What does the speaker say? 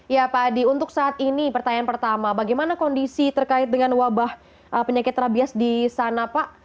ya pak adi untuk saat ini pertanyaan pertama bagaimana kondisi terkait dengan wabah penyakit rabies di sana pak